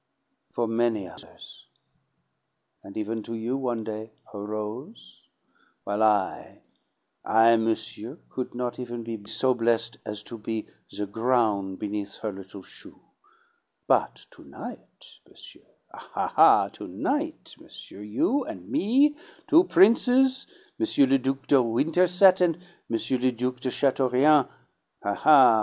for many others; and even to you, one day, a rose, while I I, monsieur, could not even be so blessed as to be the groun' beneath her little shoe! But to night, monsieur ha, ha! to night, monsieur, you and me, two princes, M. le Duc de Winterset and M. le Duc de Chateaurien ha, ha!